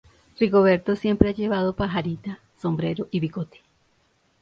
Rigoberto siempre ha llevado pajarita, sombrero y bigote.